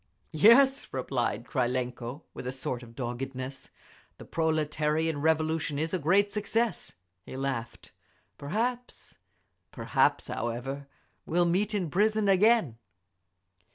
"Yes," replied Krylenko, with a sort of doggedness, "The proletarian Revolution is a great success." He laughed. "Perhaps—perhaps, however, we'll meet in prison again!"